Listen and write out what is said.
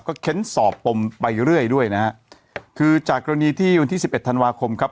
เค้นสอบปมไปเรื่อยด้วยนะฮะคือจากกรณีที่วันที่สิบเอ็ดธันวาคมครับ